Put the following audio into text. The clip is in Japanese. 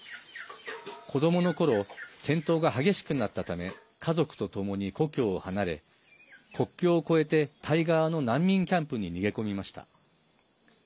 子どものころ戦闘が激しくなったため家族とともに故郷を離れ国境を越えてタイ側の難民キャンプに逃げ込みました。